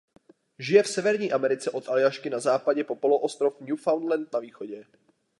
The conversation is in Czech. Žije v Severní Americe od Aljašky na západě po poloostrov Newfoundland na východě.